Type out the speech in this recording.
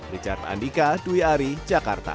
richard andika dwi ari jakarta